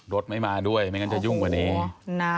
รถไม่มาด้วยไม่งั้นจะยุ่งกว่านี้